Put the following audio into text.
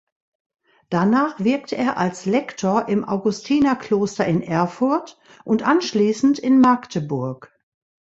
Danach wirkte er als Lektor im Augustinerkloster in Erfurt und anschließend in Magdeburg.